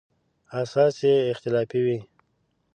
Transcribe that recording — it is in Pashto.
اساس یې اختلافي وي.